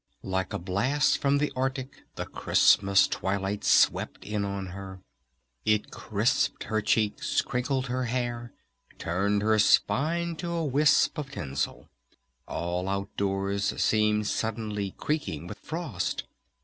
Like a blast from the Arctic the Christmas twilight swept in on her. It crisped her cheeks, crinkled her hair! Turned her spine to a wisp of tinsel! All outdoors seemed suddenly creaking with frost!